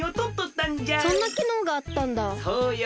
そうよ。